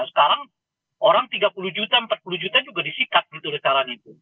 sekarang orang tiga puluh juta empat puluh juta juga disikat gitu literan itu